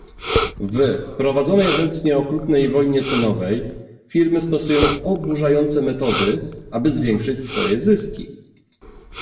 W prowadzonej obecnie okrutnej wojnie cenowej firmy stosują oburzające metody, aby zwiększyć swoje zyski